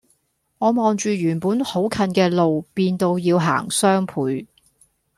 我望住原本好近嘅路變到要行雙倍